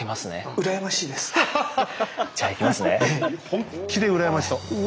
本気で羨ましそう。